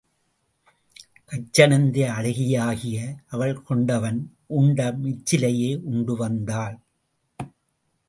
கச்சணிந்த அழகியாகிய அவள் கொண்டவன் உண்ட மிச்சிலையே உண்டு வந்தாள்.